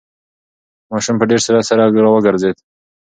ماشوم په ډېر سرعت سره راوگرځېد.